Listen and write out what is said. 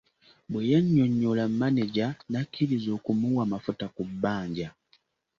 Bwe yannyonnyola mmaneja n’akkirirza okumuwa amafuta ku bbanja.